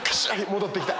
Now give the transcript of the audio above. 戻ってきた！